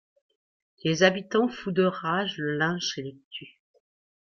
Les habitants fous de rage le lynchent et le tuent.